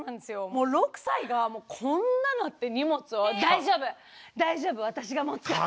もう６歳がこんななって荷物を「大丈夫大丈夫私が持つから」